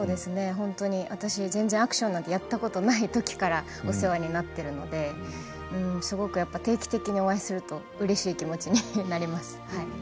私が全然アクションなどやったことはないときからお世話になっているので定期的にお会いするとうれしい気持ちになります。